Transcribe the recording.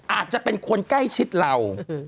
อาจจะเป็นคนใกล้ชิดเรา